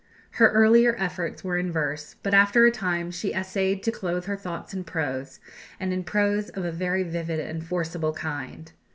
Her earlier efforts were in verse; but after a time she essayed to clothe her thoughts in prose, and in prose of a very vivid and forcible kind.